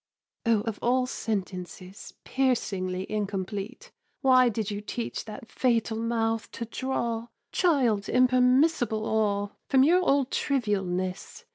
_" Oh, of all sentences, Piercingly incomplete! Why did you teach that fatal mouth to draw, Child, impermissible awe From your old trivialness?